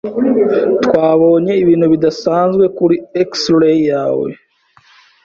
Twabonye ibintu bidasanzwe kuri x-ray yawe.